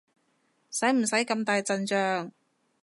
使唔使咁大陣仗？